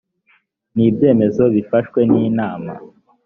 n ibyemezo bifashwe n inama